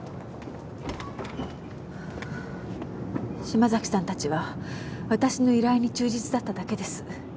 島崎さんたちは私の依頼に忠実だっただけです。